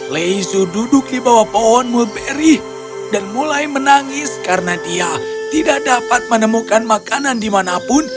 lezu duduk di bawah pohon mulberry dan mulai menangis karena dia tidak dapat menemukan makanan dimanapun